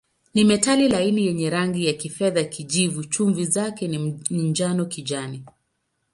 Ni metali laini yenye rangi ya kifedha-kijivu, chumvi zake ni njano-kijani.